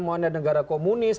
mau anda negara komunis